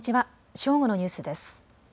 正午のニュースです。